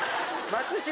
松嶋。